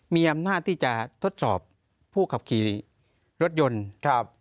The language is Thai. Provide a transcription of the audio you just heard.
มีอำนาจที่จะทดสอบผู้ขับขี่รถยนต์ครับ